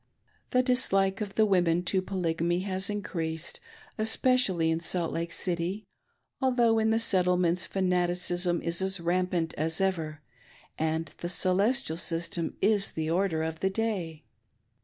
The dislike of the women to Polygamy has increased, espe cially in Salt Lake City, although in the Settlements fanati cism is as rampant as ever, and the " Celestial " system is the order of the day.